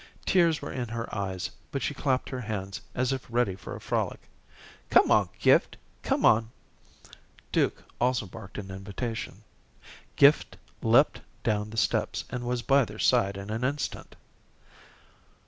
Tears were in her eyes, but she clapped her hands as if ready for a frolic. "Come on, Gift; come on." Duke also barked an invitation. Gift leaped down the steps and was by their side in an instant.